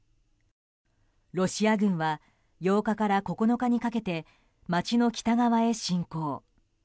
ロシア軍は８日から９日にかけて街の北側へ侵攻。